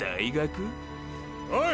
おい！